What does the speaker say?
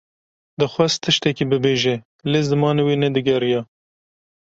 Dixwest tiştekî bibêje; lê zimanê wê ne digeriya.